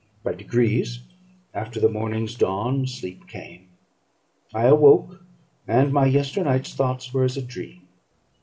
By degrees, after the morning's dawn, sleep came. I awoke, and my yesternight's thoughts were as a dream.